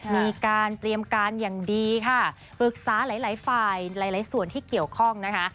มีการเตรียมการอย่างดีค่ะปรึกษาหลายหลายฝ่ายหลายส่วนที่เกี่ยวข้องนะคะ